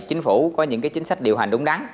chính phủ có những chính sách điều hành đúng đắn